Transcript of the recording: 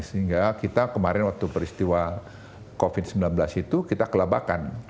sehingga kita kemarin waktu peristiwa covid sembilan belas itu kita kelebakan